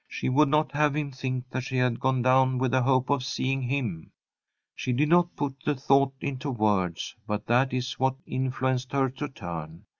She would not have him think that she had gone down with the hope of seeing him. She did not put the thought into words, but that is what influenced her to turn.